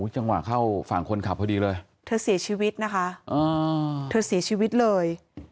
จังหวะเข้าฝั่งคนขับพอดีเลยเธอเสียชีวิตนะคะเธอเสียชีวิตเลย